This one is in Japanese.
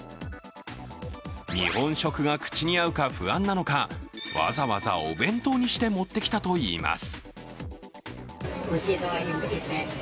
日本食が口に合うか不安なのか、わざわざお弁当にして持ってきたといいます。